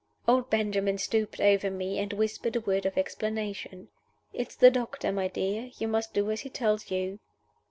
Old Benjamin stooped over me, and whispered a word of explanation. "It's the doctor, my dear. You must do as he tells you."